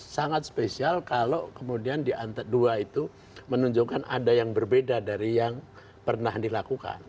sangat spesial kalau kemudian di antara dua itu menunjukkan ada yang berbeda dari yang pernah dilakukan